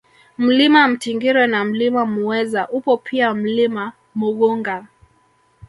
Mlima Mtingire na Mlima Mueza upo pia Mlima Mughunga